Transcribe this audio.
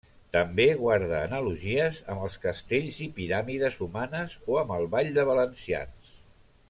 També guarda analogies amb els castells i piràmides humanes o amb el Ball de Valencians.